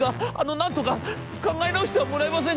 なんとか考え直してはもらえませんか！』。